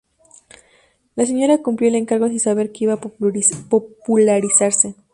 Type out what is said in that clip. La señora cumplió el encargo sin saber que iba a popularizarse.